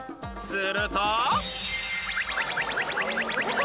［すると］